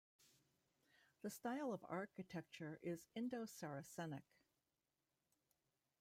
The style of architecture is Indo-Saracenic.